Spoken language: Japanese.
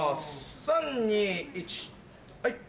３・２・１はい。